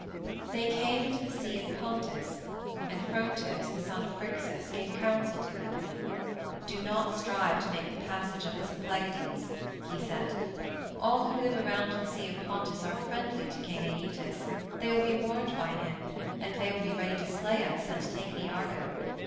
They came into the Sea of Pontus, and Phrontis, the son of Phrixus, gave counsel to them. "Do not strive to make the passage of the Symplegades," he said. "All who live around the Sea of Pontus are friendly to King Æetes they will be warned by him, and they will be ready to slay us and take the Argo.